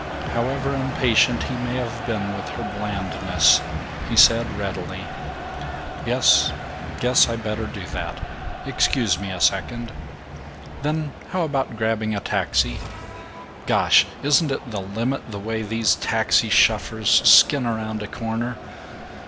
However impatient he may have been with her blandness he said readily: "Yes, guess I better do that. Excuse me a second. Then how about grabbing a taxi (Gosh, isn't it the limit the way these taxi shuffers skin around a corner?